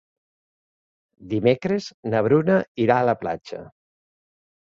Dimecres na Bruna irà a la platja.